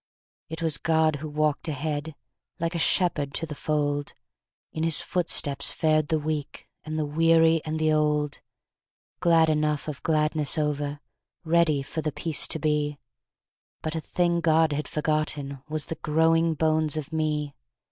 It was God who walked ahead, Like a shepherd to the fold; In his footsteps fared the weak, And the weary and the old, Glad enough of gladness over, Ready for the peace to be, But a thing God had forgotten Was the growing bones of me.